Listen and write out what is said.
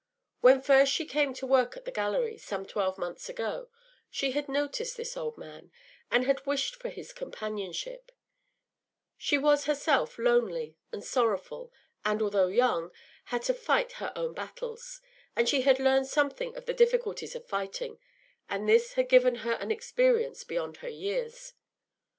When first she came to work at the gallery some twelve months ago she had noticed this old man, and had wished for his companionship; she was herself lonely and sorrowful, and, although young, had to fight her own battles, and had learned something of the difficulties of fighting, and this had given her an experience beyond her years.